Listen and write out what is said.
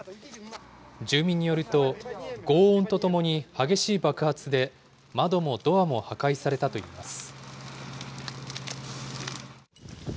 住民によると、ごう音とともに激しい爆発で、窓もドアも破壊されたといいます。